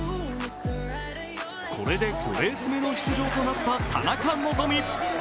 これで５レース目の出場となった田中希実。